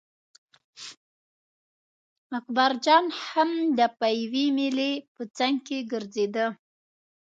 اکبرجان هم د پېوې مېلې په څنګ کې ګرځېده.